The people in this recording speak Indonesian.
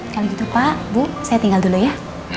kalau gitu pak bu saya tinggal dulu ya